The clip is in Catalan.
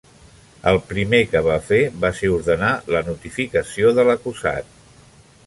El primer que va fer va ser ordenar la notificació de l'acusat.